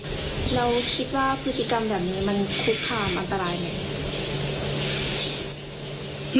เราคิดว่าพฤติกรรมแบบนี้มันคุกคามอันตรายไหม